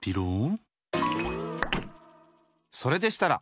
それでしたら！